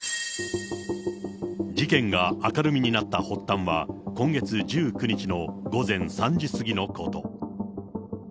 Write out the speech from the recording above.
事件が明るみになった発端は、今月１９日の午前３時過ぎのこと。